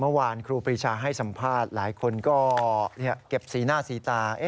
ครูปรีชาให้สัมภาษณ์หลายคนก็เก็บสีหน้าสีตา